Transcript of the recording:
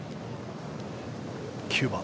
９番。